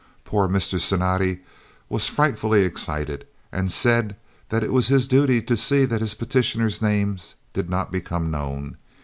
Poor Mr. Cinatti was frightfully excited and said that it was his duty to see that his petitioners' names did not become known.